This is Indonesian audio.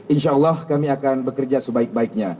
insya allah kami akan bekerja sebaik baiknya